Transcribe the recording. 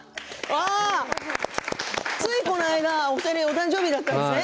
ついこの間、お二人お誕生日だったんですね。